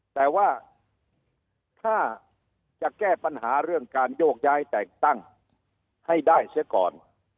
แต่ว่าถ้าจะแก้ปัญหาเรื่องการโยกย้ายแต่งตั้งให้ได้เสียก่อน